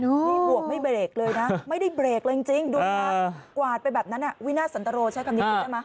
นี่บวกไม่เบรกเลยนะไม่ได้เบรกเลยจริงดูค่ะกวาดไปแบบนั้นวินาทสันตรโรใช้คำนิดนึงได้ไหม